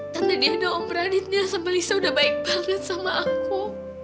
tante diana om radit niel sama lisa udah baik banget sama aku